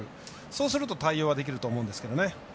そうすると、対応できると思うんですけどね。